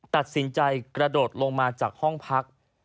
ตัดสินใจกระโดดลงมาจากห้องพัก